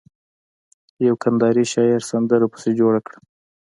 يوه کنداري شاعر سندره پسې جوړه کړه.